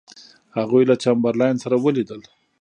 هغوی له چمبرلاین سره ولیدل.